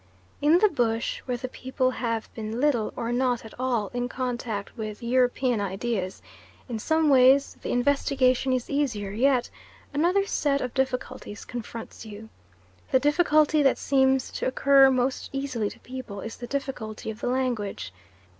In the bush where the people have been little, or not at all, in contact with European ideas in some ways the investigation is easier; yet another set of difficulties confronts you. The difficulty that seems to occur most easily to people is the difficulty of the language.